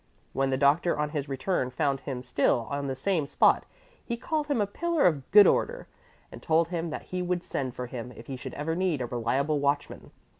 When the doctor on his return found him still on the same spot, he called him a pillar of good order and told him that he would send for him if he should ever need a reliable watchman.